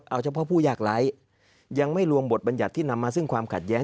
เอาเฉพาะผู้ยากไร้ยังไม่รวมบทบัญญัติที่นำมาซึ่งความขัดแย้